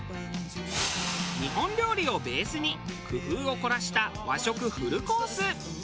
日本料理をベースに工夫を凝らした和食フルコース。